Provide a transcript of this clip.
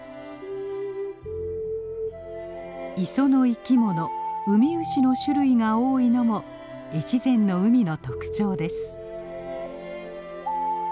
磯の生き物ウミウシの種類が多いのも越前の海の特徴です。